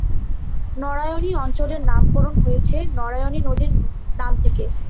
নারায়ণী অঞ্চলের নামকরণ হয়েছে নারায়ণী নদীর নাম থেকে।